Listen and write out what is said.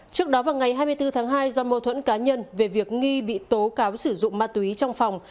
trước đó vào ngày hai mươi bốn tháng hai do mâu thuẫn cá nhân về việc nghi bị tố cáo sử dụng ma túy trong phòng